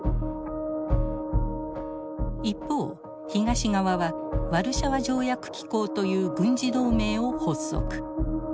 一方東側は「ワルシャワ条約機構」という軍事同盟を発足。